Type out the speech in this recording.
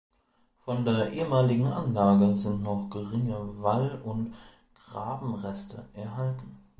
Von der ehemaligen Anlage sind noch geringe Wall- und Grabenreste erhalten.